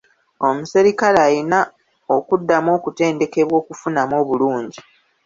Omuserikale alina okuddamu okutendekebwa okumufunamu obulungi.